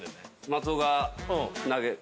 松尾が投げる。